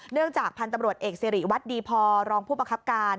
จากพันธุ์ตำรวจเอกสิริวัตรดีพอรองผู้ประคับการ